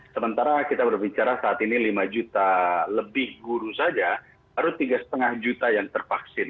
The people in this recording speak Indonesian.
sementara kita berbicara saat ini lima juta lebih guru saja baru tiga lima juta yang tervaksin